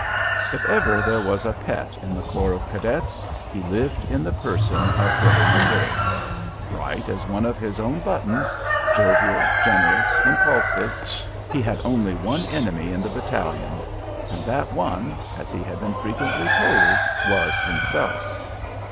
If ever there was a pet in the corps of cadets he lived in the person of Billy McKay. Bright as one of his own buttons; jovial, generous, impulsive; he had only one enemy in the battalion, and that one, as he had been frequently told, was himself.